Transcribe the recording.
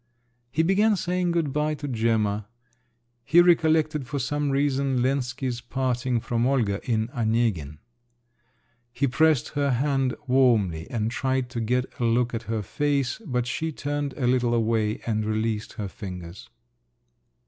He began saying good bye to Gemma. He recollected for some reason Lensky's parting from Olga in Oniegin. He pressed her hand warmly, and tried to get a look at her face, but she turned a little away and released her fingers.